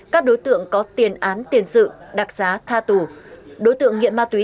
các đối tượng có tiền án tiền sự đặc giá tha tù đối tượng nghiện ma túy